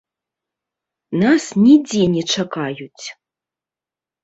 Нас нідзе не чакаюць.